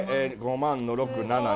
５万の６・７。